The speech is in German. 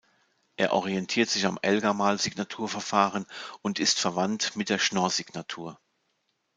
Er orientiert sich am Elgamal-Signaturverfahren und ist verwandt mit der Schnorr-Signatur.